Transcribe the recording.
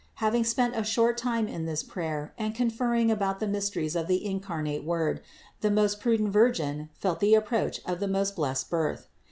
Having spent a short time in this prayer and conferring about the mysteries of the incar nate Word, the most prudent Virgin felt the approach of the most blessed Birth.